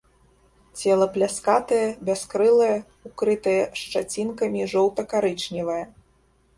Цела пляскатае, бяскрылае, укрытае шчацінкамі, жоўта-карычневае.